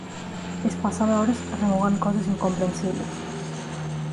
Es passava hores remugant coses incomprensibles.